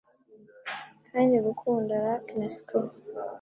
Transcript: Kandi gukunda rack na screw.